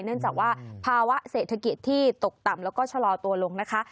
เนื่องจากว่าภาวะเศรษฐกิจที่ตกต่ำแล้วก็ชะลอตัวลงนะคะ